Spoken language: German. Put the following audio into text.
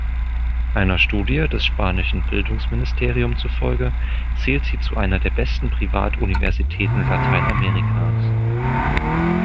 Einer Studie des spanischen Bildungsministerium zufolge, zählt sie zu einer der besten Privatuniversitäten Lateinamerikas.